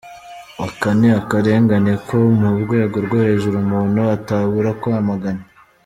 Aka ni akarengane ko mu rwego rwo hejuru umuntu atabura kwamagana.